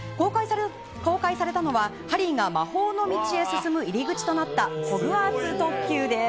公開されたのは、ハリーが魔法の道へ進む入口となったホグワーツ特急です。